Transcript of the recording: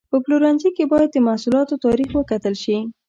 په پلورنځي کې باید د محصولاتو تاریخ وکتل شي.